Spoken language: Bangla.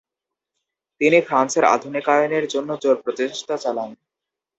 তিনি ফ্রান্সের আধুনিকায়নের জন্য জোর প্রচেষ্টা চালান।